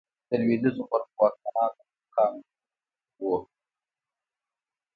د لوېدیځو برخو واکمنان د کوم قامونه وو؟